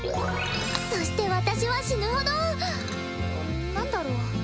そして私は死ぬほど何だろ？